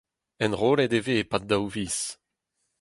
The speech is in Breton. Enrollet e vez e-pad daou viz.